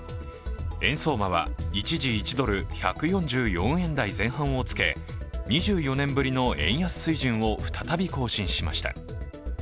円相場は一時、１ドル＝１４４円台前半をつけ２４年ぶりの円安水準を再び更新しました。